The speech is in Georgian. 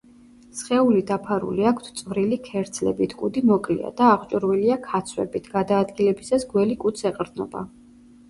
სხეული დაფარული აქვთ წვრილი ქერცლებით, კუდი მოკლეა და აღჭურვილია ქაცვებით, გადაადგილებისას გველი კუდს ეყრდნობა.